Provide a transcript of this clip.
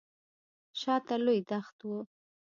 شاته لوی دښت و.